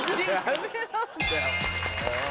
やめろってもう！